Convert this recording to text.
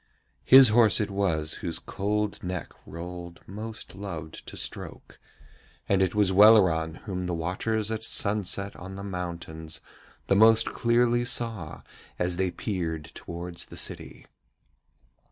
His horse it was whose cold neck Rold most loved to stroke, and it was Welleran whom the watchers at sunset on the mountains the most clearly saw as they peered towards the city.